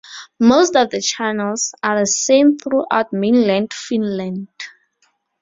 Most of the channels are the same throughout mainland Finland.